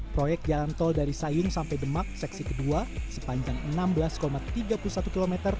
proyek jalan tol dari sayung sampai demak seksi kedua sepanjang enam belas tiga puluh satu km